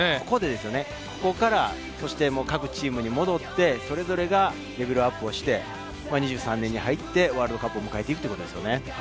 ここから各チームに戻って、それぞれがレベルアップをして、２３年に入ってワールドカップを迎えるということですね。